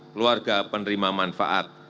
keluarga penerima manfaat